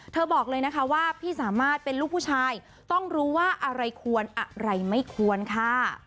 บอกเลยนะคะว่าพี่สามารถเป็นลูกผู้ชายต้องรู้ว่าอะไรควรอะไรไม่ควรค่ะ